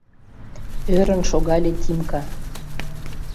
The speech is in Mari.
— ӧрын шогале Тимка.